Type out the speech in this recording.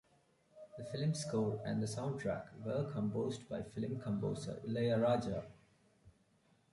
The film score and the soundtrack were composed by film composer Ilaiyaraaja.